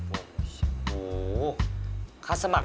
โอ้โหโอ้โห